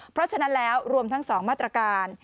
เพราะฉะนั้นแล้วรวมทั้ง๒มาตรการ